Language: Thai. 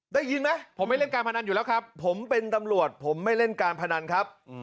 ได้ยินไหมผมไม่เล่นการพนันอยู่แล้วครับผมเป็นตำรวจผมไม่เล่นการพนันครับ